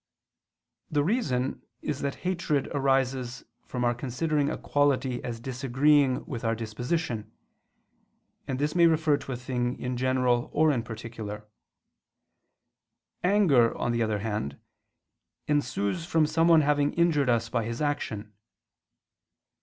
The reason is that hatred arises from our considering a quality as disagreeing with our disposition; and this may refer to a thing in general or in particular. Anger, on the other hand, ensues from someone having injured us by his action.